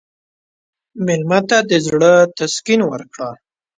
مېلمه ته د زړه تسکین ورکړه.